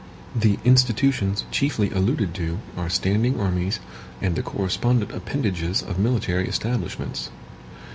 The institutions chiefly alluded to are STANDING ARMIES and the correspondent appendages of military establishments.